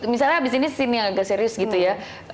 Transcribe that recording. misalnya habis ini scene yang agak serius gitu ya